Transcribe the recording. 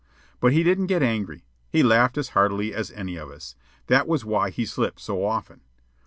But he didn't get angry. He laughed as heartily as any of us; that was why he slipped so often.